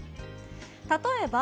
例えば、